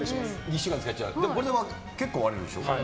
これ結構割れるでしょ。